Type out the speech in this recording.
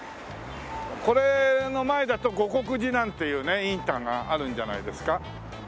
これの前だと護国寺なんていうねインターがあるんじゃないですか？